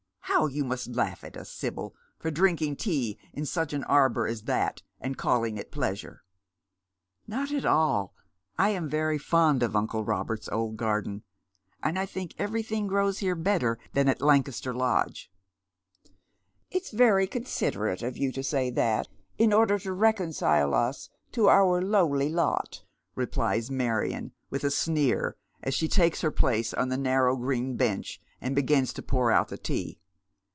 How you must laugh at us, Sibyl, for drinking tea in such an arbour as that, and calling it pleasure !"" Not at all. I am veiy fond of uncle Robert's old garden ; and I think everything grows here better than at Lancaster Lodge." " It's very considerate of you to say that, in order to reconcile us to our lowly lot," replies Marion, with a sneer, as she takes her place on the narrow green bench, and begins to pour out the tea.